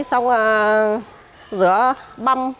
xong rồi rửa băm